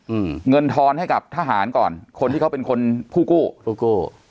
อืมเงินทอนให้กับทหารก่อนคนที่เขาเป็นคนผู้กู้ผู้กู้